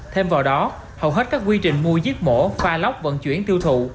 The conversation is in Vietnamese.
thêm vào đó hầu hết các quy trình mua giết mổ pha lóc vận chuyển tiêu thụ